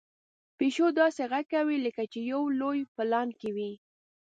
پيشو داسې غږ کوي لکه چې په یو لوی پلان کې وي.